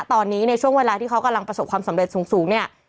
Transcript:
ตอนนี้ในช่วงเวลาที่เขากำลังประสบความสำเร็จสูงเนี่ย